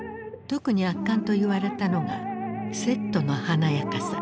特に圧巻と言われたのがセットの華やかさ。